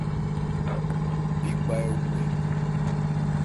Bí gba ɛ wu ɛ ?